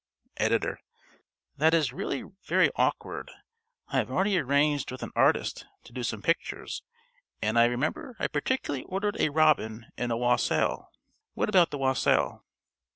_ ~Editor.~ _That is really very awkward. I have already arranged with an artist to do some pictures, and I remember I particularly ordered a robin and a wassail. What about the wassail?